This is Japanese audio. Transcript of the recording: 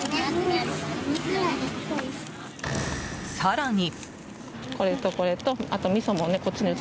更に。